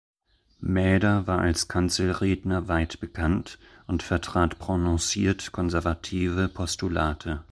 Mäder war als Kanzelredner weit bekannt und vertrat prononciert konservative Postulate.